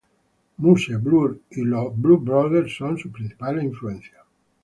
Muse, Blur y The Blood Brothers son sus principales influencias.